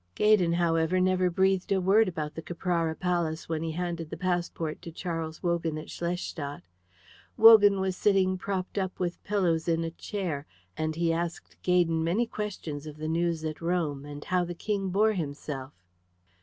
Gaydon, however, never breathed a word about the Caprara Palace when he handed the passport to Charles Wogan at Schlestadt. Wogan was sitting propped up with pillows in a chair, and he asked Gaydon many questions of the news at Rome, and how the King bore himself.